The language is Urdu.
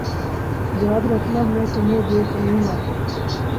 یاد رکھنا میں تمہیں دیکھ لوں گا